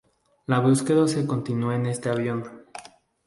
La búsqueda se continua en este avión.